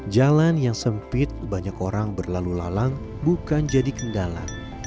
jalan yang sempit banyak orang berlalu lalang bukan jadi kendala